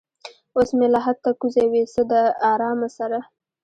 اوس مې لحد ته کوزوي څه د ارامه سره